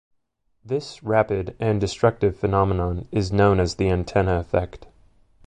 This rapid and destructive phenomenon is known as the antenna effect.